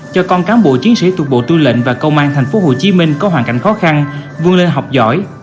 cho con cán bộ chiến sĩ thuộc bộ tư lệnh và công an tp hcm có hoàn cảnh khó khăn vươn lên học giỏi